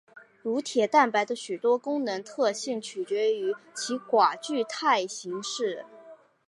乳铁蛋白的许多功能特性取决于其寡聚态形式。